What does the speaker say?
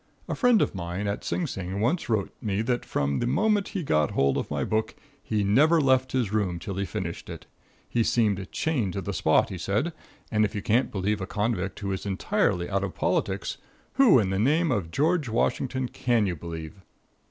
A friend of mine at Sing Sing once wrote me that from the moment he got hold of my book, he never left his room till he finished it. He seemed chained to the spot, he said, and if you can't believe a convict, who is entirely out of politics, who in the name of George Washington can you believe?